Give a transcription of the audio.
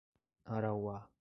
Arauá